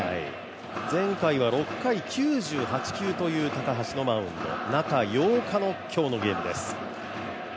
前回は６回９８球という高橋のマウンド中８日の今日のゲームです。